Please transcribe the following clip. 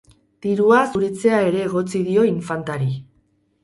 Dirua zuritzea ere egotzi dio infantari.